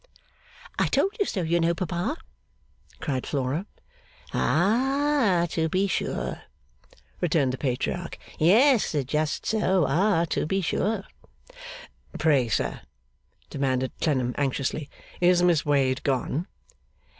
'I told you so you know papa,' cried Flora. 'Ah, to be sure!' returned the Patriarch. 'Yes, just so. Ah, to be sure!' 'Pray, sir,' demanded Clennam, anxiously, 'is Miss Wade gone?